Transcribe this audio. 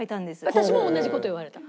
私も同じ事言われた。